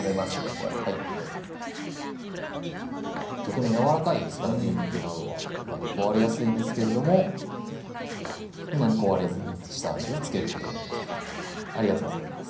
こうやってはいとてもやわらかいですから牛肉などは壊れやすいんですけれどもそんなに壊れずに下味をつけることができるとありがとうございます